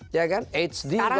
ya kan hd bahkan